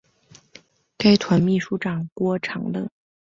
该团秘书长郭长乐。